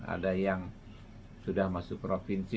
ada yang sudah masuk provinsi